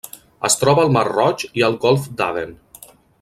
Es troba al Mar Roig i al Golf d'Aden.